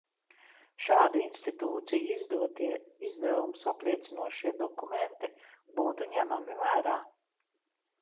Šādu institūciju izdotie izdevumus apliecinošie dokumenti būtu ņemami vērā.